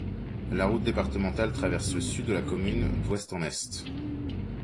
La route départementale traverse le sud de la commune d'ouest en est.